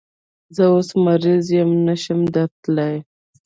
زه اوس مریض یم، نشم درتلای